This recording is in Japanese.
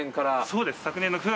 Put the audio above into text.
そうです。